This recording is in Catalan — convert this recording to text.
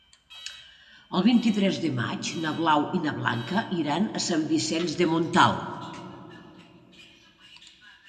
El vint-i-tres de maig na Blau i na Blanca iran a Sant Vicenç de Montalt.